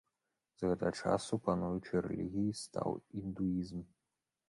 З гэтага часу пануючай рэлігіяй стаў індуізм.